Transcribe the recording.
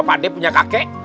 pakde punya kakek